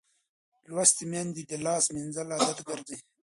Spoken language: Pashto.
لوستې میندې د لاس مینځل عادت ګرځوي.